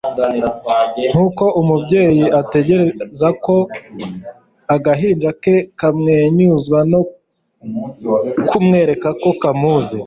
Nkuko umubyeyi ategereza ko agahinja ke kamwenyuzwa no kumwereka ko kamuzi,